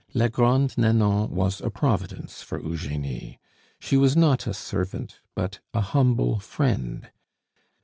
La Grande Nanon was a providence for Eugenie. She was not a servant, but a humble friend.